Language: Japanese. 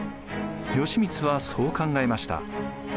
義満はそう考えました。